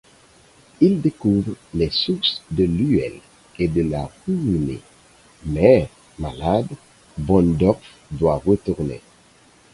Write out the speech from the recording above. Ils découvrent les sources de l'Uele et de l'Aruwimi, mais, malade, Bohndorff doit retourner.